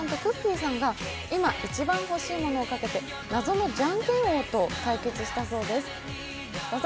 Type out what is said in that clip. さんが今、一番欲しいものをかけて、なぞのじゃんけん王と対決したそうです。